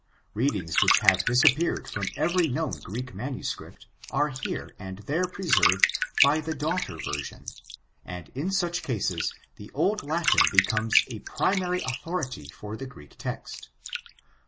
Readings which have disappeared from every known Greek MS are here and there preserved by the daughter version, and in such cases the Old Latin becomes a primary authority for the Greek text.